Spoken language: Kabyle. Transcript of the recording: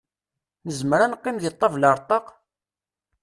Nezmzer ad neqqim deg ṭabla ar ṭaq?